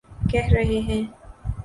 کہہ رہے ہیں۔